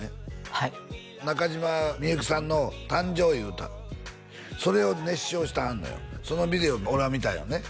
はい中島みゆきさんの「誕生」いう歌それを熱唱してはんのよそのビデオを俺は見たんよね